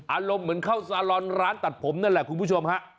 อารมณ์เหมือนเข้าซาลอนร้านตัดผมนั่นแหละคุณผู้ชมฮะ